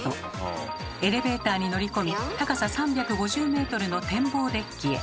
エレベーターに乗り込み高さ３５０ｍの天望デッキへ。